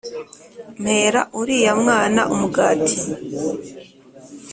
mpera uriya mwana umugati